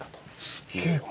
すげえわ。